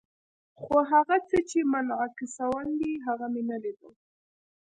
خو هغه څه چې منعکسول یې، هغه مې نه لیدل.